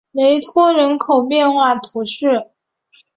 雷托人口变化图示